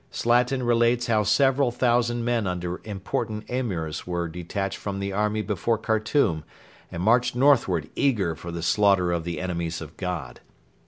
Slatin relates how several thousand men under important Emirs were detached from the army before Khartoum and marched northward eager for the slaughter of 'the enemies of God.'